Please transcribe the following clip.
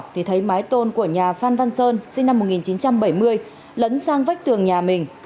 thì thấy mái tôn của nhà phan văn sơn sinh năm một nghìn chín trăm bảy mươi lẫn sang vách tường nhà mình